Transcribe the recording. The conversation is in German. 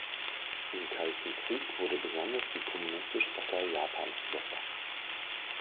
Im Kalten Krieg wurde besonders die Kommunistische Partei Japans überwacht.